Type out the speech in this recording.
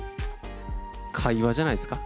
会話じゃないですか。